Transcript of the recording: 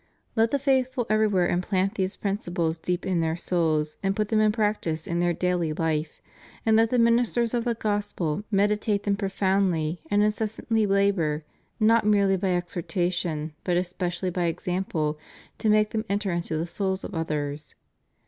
Let the faithful everywhere implant these principles deep in their souls, and put them in practice in their daily life, and let the ministers of the Gospel meditate them profoundly, and incessantly labor not merely by exhorta tion but especially by example to make them enter into the souls of others.